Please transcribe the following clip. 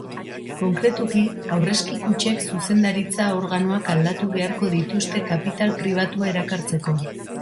Konkretuki, aurrezki-kutxek zuzendaritza organoak aldatu beharko dituzte kapital pribatua erakartazeko.